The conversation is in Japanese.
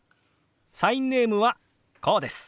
サインネームはこうです。